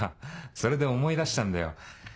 それで思い出したんだよ。